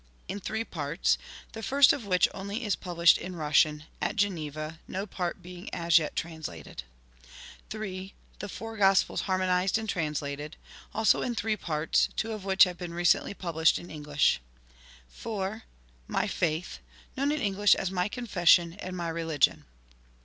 In three parts; the first of which only is published in Rus sian, at Geneva — no part being as yet translated. 1 Published liy T. Y. Cro n ell & Co. y vi NOTE 3. The Four Grospels Harmonised and Translated. Also in three parts ; two of which have been re cently published ^ in English. 4. My Faith. Known in English as My Confes sion and My Religion.